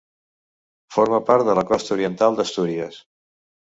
Forma part de la Costa oriental d'Astúries.